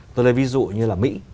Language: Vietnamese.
tôi lấy ví dụ như là mỹ